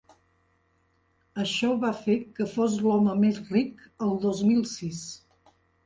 Això va fer que fos l’home més ric el dos mil sis.